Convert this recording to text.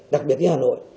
đặc biệt như hà nội